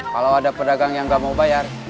kalau ada pedagang yang nggak mau bayar